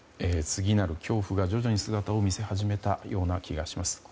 次なる恐怖が徐々に姿を見せ始めたような気がします。